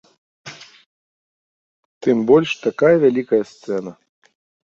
Тым больш, такая вялікая сцэна.